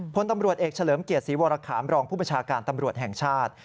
พลตำรวจเอกเฉลิมเกียรติศรีวรคามรองผู้ประชาการตำรวจแห่งชาติ